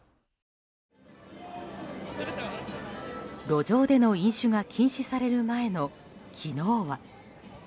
路上での飲酒が禁止される前の昨日は。